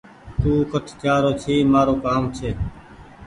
تو ڪٺ جآرو ڇي مآرو ڪآم ڇي